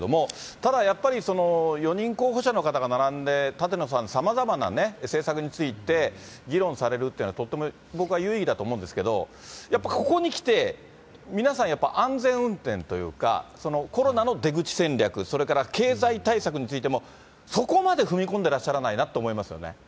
ただやっぱり、４人候補者の方が並んで、舘野さん、さまざまな政策について議論されるってのは、とても僕は有意義だと思うんですけど、やっぱここに来て、皆さんやっぱ、安全運転というか、コロナの出口戦略、それから経済対策についても、そこまで踏み込んでらっしゃらないなと思いますよね。